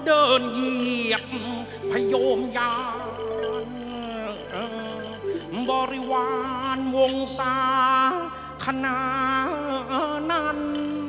เหยียบพยมยาบริวารวงศาขณะนั้น